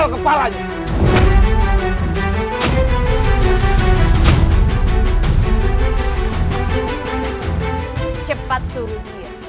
cepat turun dia